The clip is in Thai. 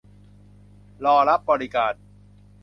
รอรับบริการ